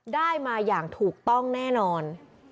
ได้มาอย่างถูกต้องแน่นอน